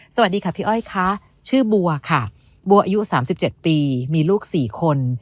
สวัสดีค่ะพี่อ้อยค่ะชื่อบัวค่ะบัวอายุ๓๗ปีมีลูก๔คน